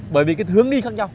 bởi vì cái hướng đi khác nhau